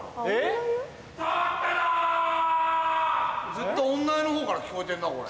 ・ずっと女湯の方から聞こえてんなこれ。